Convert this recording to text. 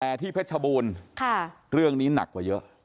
แต่ที่เพชรบูรณ์เรื่องนี้หนักกว่าเยอะ